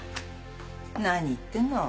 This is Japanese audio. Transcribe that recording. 何言ってんの？